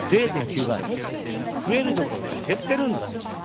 増えるどころか減ってるんですよ。